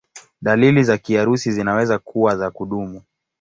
Dalili za kiharusi zinaweza kuwa za kudumu.